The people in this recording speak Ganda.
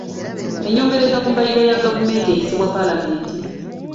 Ennyongereza ku mbalirira y'eggwanga eyisibwa paalamenti.